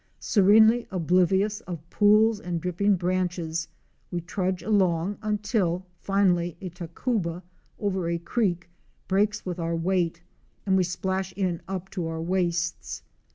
Serenely oblivious of pools and dripping branches, we trudge along until finally a tacuba over a creek breaks with our weight and we splash in up to our waists.